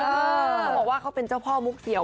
เขาบอกว่าเขาเป็นเจ้าพ่อมุกเสียว